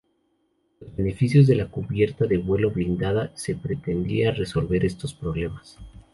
Con los beneficios de la cubierta de vuelo blindada se pretendía resolver estos problemas.